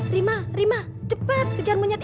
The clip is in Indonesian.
rima rima cepat kejar munyit itu